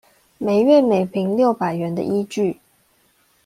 每月每坪六百元的依據